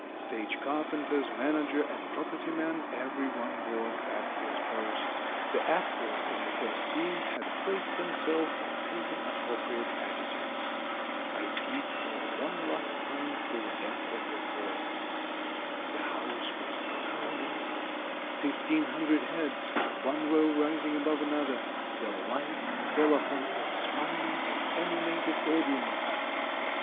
Stage carpenters, manager, and property man, every one was at his post. The actors in the first scene had placed themselves, and taken appropriate attitudes. I peeped for one last time through the gap of the curtain. The' house was crowded, — fifteen hundred heads, one row rising above another ; the lights fell upon a smiling and animated audience.